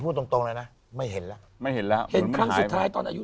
ตรงตรงเลยนะไม่เห็นแล้วไม่เห็นแล้วเห็นครั้งสุดท้ายตอนอายุ